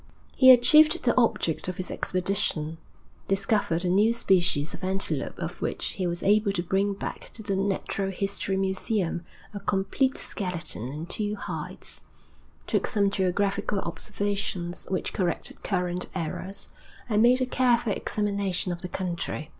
He achieved the object of his expedition, discovered a new species of antelope of which he was able to bring back to the Natural History Museum a complete skeleton and two hides; took some geographical observations which corrected current errors, and made a careful examination of the country.